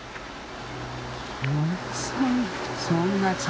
そんな。